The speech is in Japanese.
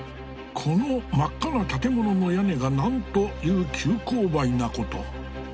この真っ赤な建物の屋根がなんという急勾配なこと。